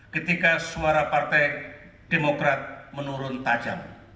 ketika suara partai demokrat menurun tajam